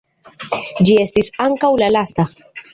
Ĝi estis ankaŭ la lasta.